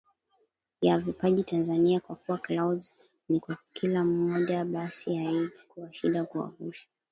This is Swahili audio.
ya vipaji Tanzania Kwa kuwa Clouds ni kwa kila mmoja basi haikuwa shida kuwavusha